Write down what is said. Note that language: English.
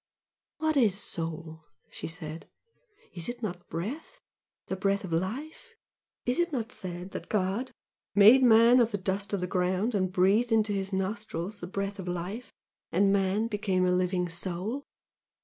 "What IS soul?" she said "Is it not breath? the breath of life? Is it not said that God 'made man of the dust of the ground and breathed into his nostrils the breath of life and man became a living soul!'